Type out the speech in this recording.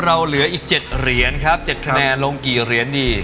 เหลืออีก๗เหรียญครับ๗คะแนนลงกี่เหรียญดี